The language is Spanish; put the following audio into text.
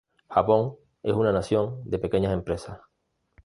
Japón es una nación de pequeñas empresas.